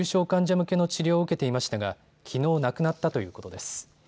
向けの治療を受けていましたがきのう亡くなったということです。